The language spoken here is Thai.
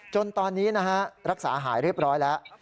จนตอนนี้รักษาหายเรียบร้อยแล้ว